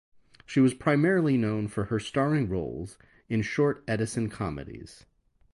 She was primarily known for her starring roles in short Edison comedies.